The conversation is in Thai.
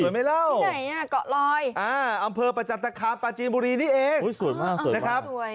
ที่ไหนอ่ะเกาะลอยอ่าอำเภอประจัดตรรคาปาจีนบุรีนี่เองสวยมากนะครับ